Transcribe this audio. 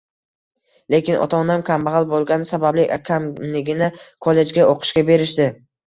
Lekin ota-onam kambagʻal boʻlgani sababli akamnigina kollejga oʻqishga berishdi…